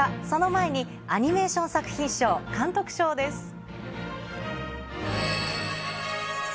その前にアニメーション作品賞、監督賞です。